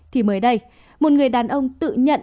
thì mới đây một người đàn ông tự nhận